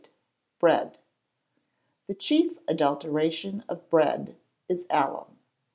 Bread. The chief adulteration of bread is alum.